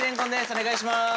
お願いします。